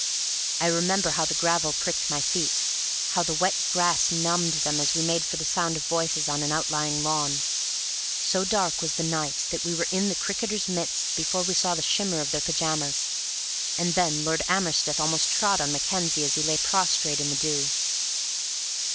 I remember how the gravel pricked my feet, how the wet grass numbed them as we made for the sound of voices on an outlying lawn. So dark was the night that we were in the cricketers' midst before we saw the shimmer of their pyjamas; and then Lord Amersteth almost trod on Mackenzie as he lay prostrate in the dew.